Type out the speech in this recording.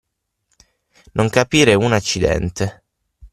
Non capire un accidente.